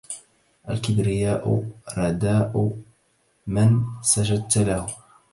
الكبرياء رداء من سجدت له